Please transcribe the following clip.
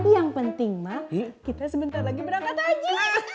yang penting mak kita sebentar lagi berangkat haji